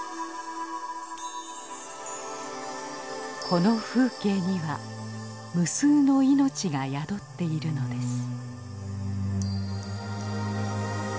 この風景には無数の命が宿っているのです。